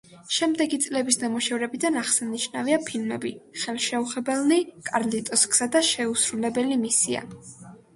შემდეგი წლების ნამუშევრებიდან აღსანიშნავია ფილმები „ხელშეუხებელნი“, „კარლიტოს გზა“ და „შეუსრულებელი მისია“.